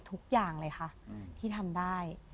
ทุกอย่างเลยค่ะที่ทำได้